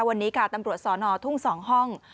วันนี้ค่ะตำรวจสอนอทุ่ง๒ห้อง